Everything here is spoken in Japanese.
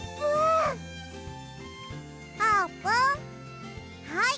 あーぷんはい。